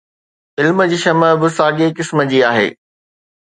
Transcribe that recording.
علم جي شمع به ساڳي قسم جي آهي.